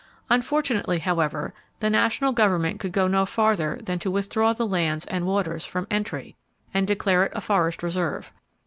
Unfortunately, however, the national government could go no farther than to withdraw the lands (and waters) from entry, and declare it a forest reserve.